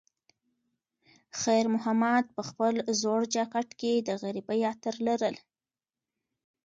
خیر محمد په خپل زوړ جاکټ کې د غریبۍ عطر لرل.